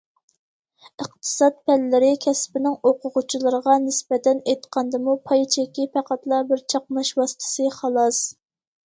ئىقتىساد پەنلىرى كەسپىنىڭ ئوقۇغۇچىلىرىغا نىسبەتەن ئېيتقاندىمۇ پاي چېكى پەقەتلا بىر چاقناش ۋاسىتىسى خالاس!